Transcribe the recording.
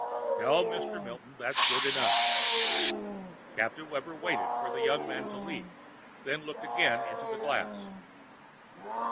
"Tell Mr. Milton that's good enough." Captain Webber waited for the young man to leave, then looked again into the glass.